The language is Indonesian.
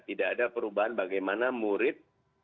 tidak ada perubahan bagaimana murid